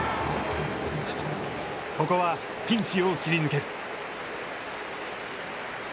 ここはピンチを切り抜ける。